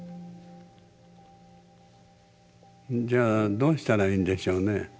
じゃあどうしたらいいんでしょうね。